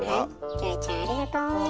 キョエちゃんありがとう。